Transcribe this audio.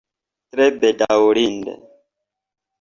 Tre bedaŭrinde.